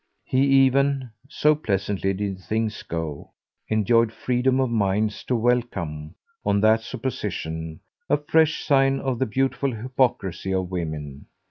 He even so pleasantly did things go enjoyed freedom of mind to welcome, on that supposition, a fresh sign of the beautiful hypocrisy of women.